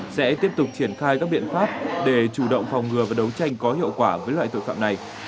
sẽ tiếp tục triển khai các biện pháp để chủ động phòng ngừa và đấu tranh có hiệu quả với loại tội phạm này